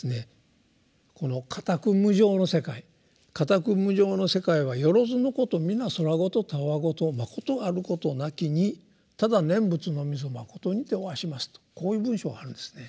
この火宅無常の世界「火宅無常の世界はよろづのことみなそらごとたわごとまことあることなきにただ念仏のみぞまことにておはします」とこういう文章があるんですね。